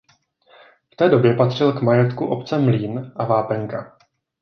V té době patřil k majetku obce mlýn a vápenka.